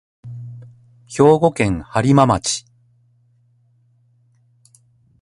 兵庫県播磨町